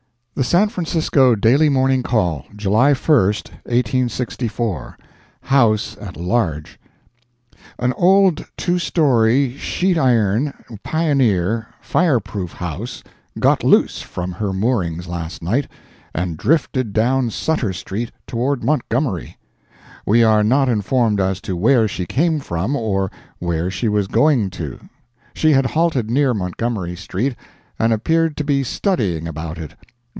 The San Francisco Daily Morning Call, July 1, 1864 HOUSE AT LARGE An old two story, sheet iron, pioneer, fire proof house, got loose from her moorings last night, and drifted down Sutter street, toward Montgomery. We are not informed as to where she came from or where she was going to—she had halted near Montgomery street, and appeared to be studying about it.